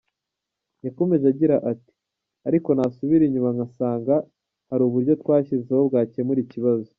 Yakomeje agira ati :"Ariko nasubira inyuma nkasanga hari uburyo twashyizeho bwakemura ikibazo.